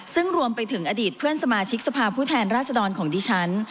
ซึ่งรวมไปถึงอดีตเพื่อนสมาชิกสภาพผู้แทนราชดรของดิฉัน